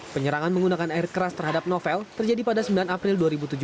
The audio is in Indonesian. penyerangan menggunakan air keras terhadap novel terjadi pada sembilan april dua ribu tujuh belas